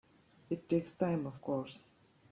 It takes time of course.